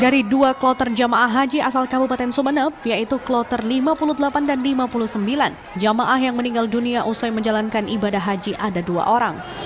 dari dua kloter jemaah haji asal kabupaten sumeneb yaitu kloter lima puluh delapan dan lima puluh sembilan jamaah yang meninggal dunia usai menjalankan ibadah haji ada dua orang